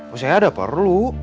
oh saya ada perlu